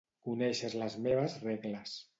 Coneixes les meves regles.